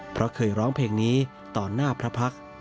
เพราะเคยร้องเพลงนี้ต่อหน้าพระพักษ์